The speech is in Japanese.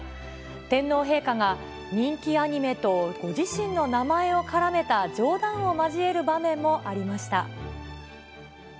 天皇陛下が人気アニメとご自身の名前を絡めた冗談を交える場面もありました。